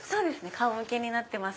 顔向けになってます。